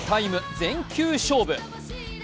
全球勝負。